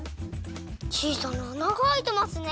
ちいさなあながあいてますね。